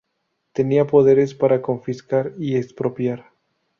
Tenía poderes para confiscar y expropiar.